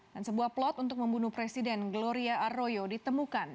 dan sebuah plot untuk membunuh presiden gloria arroyo ditemukan